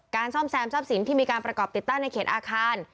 ซ่อมแซมทรัพย์สินที่มีการประกอบติดตั้งในเขตอาคาร